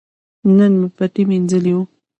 نن مې پټی مینځلي وو.